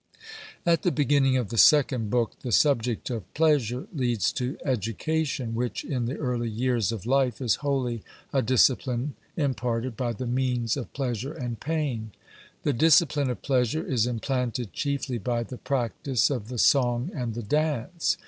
At the beginning of the second book the subject of pleasure leads to education, which in the early years of life is wholly a discipline imparted by the means of pleasure and pain. The discipline of pleasure is implanted chiefly by the practice of the song and the dance.